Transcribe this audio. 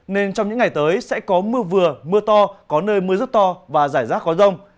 nên trong những ngày tới sẽ có mưa vừa mưa to có nơi mưa rất to và rải rác có rông